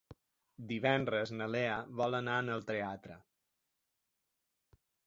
Divendres na Lea vol anar al teatre.